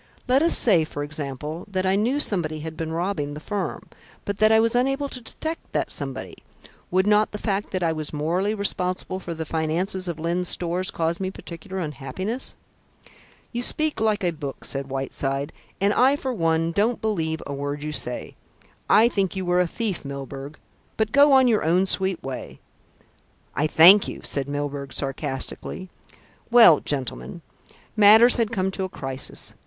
Let us say, for example, that I knew somebody had been robbing the firm, but that I was unable to detect that somebody. Would not the fact that I was morally responsible for the finances of Lyne's Stores cause me particular unhappiness?" "You speak like a book," said Whiteside, "and I for one don't believe a word you say. I think you were a thief, Milburgh; but go on your own sweet way." "I thank you," said Mr. Milburgh sarcastically. "Well, gentlemen, matters had come to a crisis.